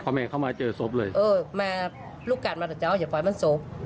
เขามีไยเขามาเจอศพเลยเออออมาลูกกันเล่าอย่าพอมันศพ